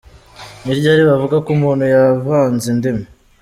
Ni ryari bavuga ko umuntu yavanze indimi ?.